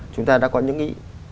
chúng ta đã có những ý